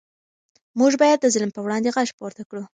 موږ باید د ظلم پر وړاندې غږ پورته کړو.